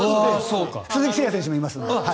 鈴木誠也選手もいますので。